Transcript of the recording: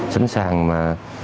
sẵn sàng mà